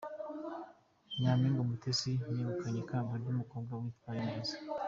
Nyaminga Umutesi yegukanye ikamba ry’umukobwa witwaye neza